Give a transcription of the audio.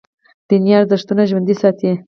دیني ارزښتونه ژوندي ساتي.